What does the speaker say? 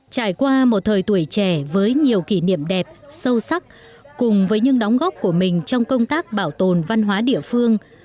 trải qua một thời tuổi trẻ với nhiều kỷ niệm đẹp sâu sắc cùng với những đóng góp của mình trong công tác bảo tồn văn hóa địa phương